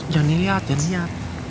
jangan dilihat jangan dilihat